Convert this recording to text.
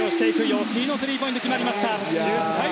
吉井のスリーポイントが決まりました。